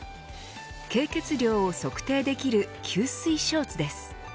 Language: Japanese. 経血量を測定できる給水ショーツです。